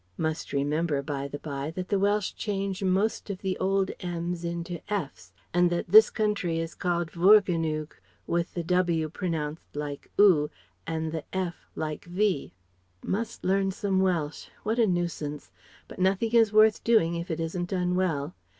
Must remember, by the bye, that the Welsh change most of the old m's into f's and that this country is called Forganwg, with the w pronounced like oo, and the f like v. Must learn some Welsh. What a nuisance. But nothing is worth doing if it isn't done well.